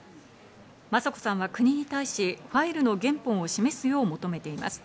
雅子さんは国に対しファイルの原本を示すよう求めています。